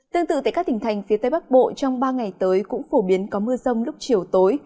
tương tự tại các tỉnh thành phía tây bắc bộ trong ba ngày tới cũng phổ biến có mưa rông lúc chiều tối